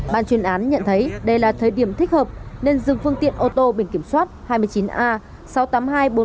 ban chuyên án nhận thấy đây là thời điểm thích hợp nên dừng phương tiện ô tô biển kiểm soát hai mươi chín a sáu mươi tám nghìn hai trăm bốn mươi